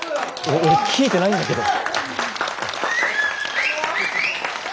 俺聞いてないんだけど。